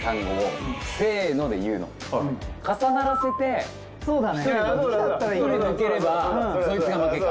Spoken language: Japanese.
重ならせて１人抜ければそいつが負け。